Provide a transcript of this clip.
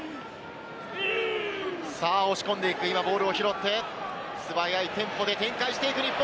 押し込んでいく、今ボールを拾って、素早いテンポで展開していく日本。